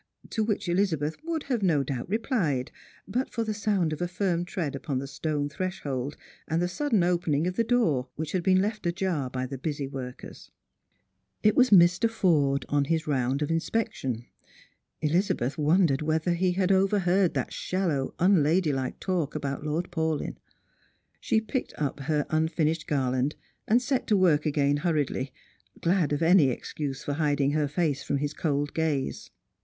To which Eliza beth would have no doubt replied, but for the sound of a firm tread upon the stone threshold, and the sudden opening of the door, which had been left ajar by the busy workers. It was Mr. Forde on his round of inspection. Elizabeth won dered whether he had overheard that shallow unlaihdike talk about Lord Paul}^. She picked up her unfinished garland, and set to work again hurriedly, glad of any excuse for hiding her face from his cold gaze.